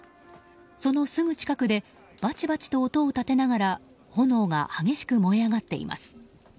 そのすぐ近くでバチバチと音を立てながら炎が激しく燃え上がっています。